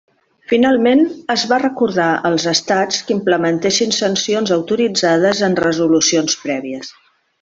Finalment, es va recordar als Estats que implementessin sancions autoritzades en resolucions prèvies.